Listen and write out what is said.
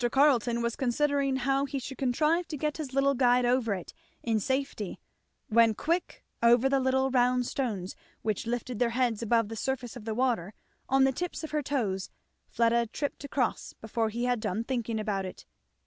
Carleton was considering how he should contrive to get his little guide over it in safety, when quick, over the little round stones which lifted their heads above the surface of the water, on the tips of her toes, Fleda tripped across before he had done thinking about it.